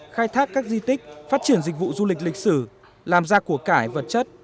khai thác các di tích phát triển dịch vụ du lịch lịch sử làm ra của cải vật chất